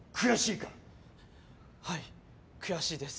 はい悔しいです。